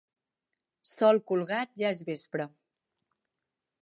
Sol colgat ja és vespre.